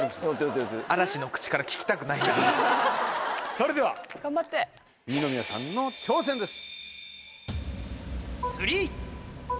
それでは二宮さんの挑戦です。